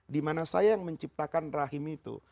dimana saya yang menciptakan rahim itu